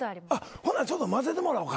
ほんならちょっと混ぜてもらおうか。